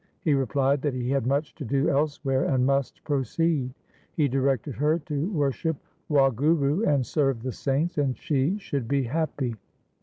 He replied that he had much to do elsewhere and must proceed. He directed her to worship Wahgum and serve the saints, and she should be happy.